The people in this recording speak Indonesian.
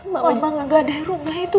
mama gak ada rumah itu